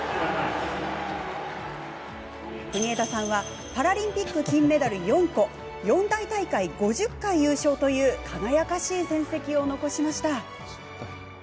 国枝さんはパラリンピック金メダル４個四大大会５０回優勝という輝かしい戦績を残しました。